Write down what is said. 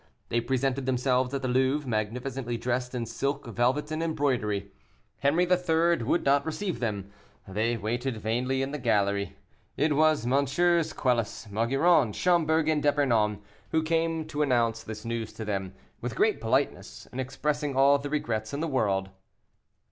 They presented themselves at the Louvre, magnificently dressed in silk, velvet, and embroidery. Henri III. would not receive them; they waited vainly in the gallery. It was MM. Quelus, Maugiron, Schomberg, and D'Epernon who came to announce this news to them, with great politeness, and expressing all the regrets in the world.